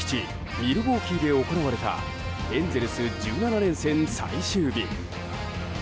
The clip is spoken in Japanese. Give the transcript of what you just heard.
ミルウォーキーで行われたエンゼルス、１７連戦最終日。